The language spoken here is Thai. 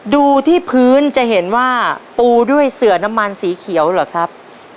ดูที่พื้นจะเห็นว่าปูด้วยเสือน้ำมันสีเขียวเหรอครับ